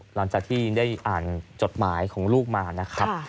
หลังจากที่ได้อ่านจดหมายของลูกมานะครับ